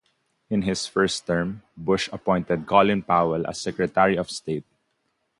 In his first term, Bush appointed Colin Powell as Secretary of State.